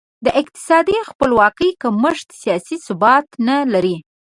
د اقتصادي خپلواکي کمښت سیاسي ثبات نه لري.